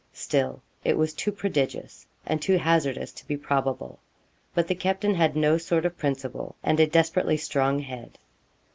Still it was too prodigious, and too hazardous to be probable; but the captain had no sort of principle, and a desperately strong head.